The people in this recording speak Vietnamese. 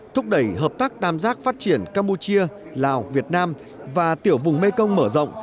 thúc đẩy hợp tác tam giác phát triển campuchia lào việt nam và tiểu vùng mekong mở rộng